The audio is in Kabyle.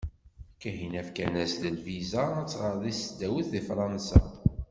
Kahina fkan-as-d lviza ad tɣer deg tesdawit di Fransa.